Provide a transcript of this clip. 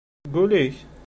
Seg ul-ik?